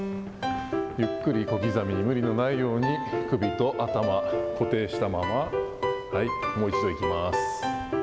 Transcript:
ゆっくり小刻みに、無理のないように、首と頭、固定したまま、もう一度いきます。